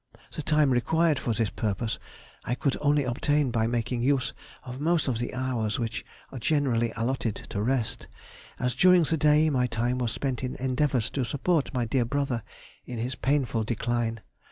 The time required for this purpose I could only obtain by making use of most of the hours which are generally allotted to rest, as during the day my time was spent in endeavours to support my dear brother in his painful decline.